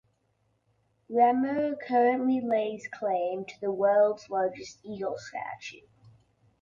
Remer currently lays claim to the World's Largest Eagle statue.